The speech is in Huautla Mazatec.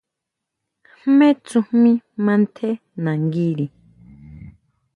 ¿Jmé tsujmí mantjé nanguiri?